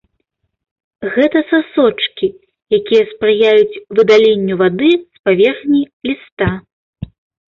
Гэта сасочкі, якія спрыяюць выдаленню вады з паверхні ліста.